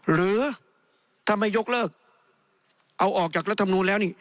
หรือถ้าไม่ยกเลิกเอาออกจากรัฐมนูลแล้วนี่